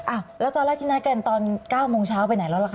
อ่ะแล้วตอนแรกที่นัดกันตอน๙โมงเช้าไปไหนแล้วล่ะค